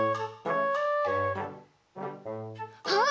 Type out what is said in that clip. あっ！